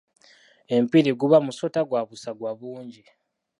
Empiri guba musota gwa busagwa bungi.